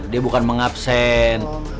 dia bukan mengabsen